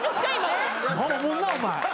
おもんなお前。